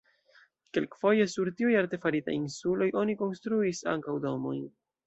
Kelkfoje sur tiuj artefaritaj insuloj oni konstruis ankaŭ domojn.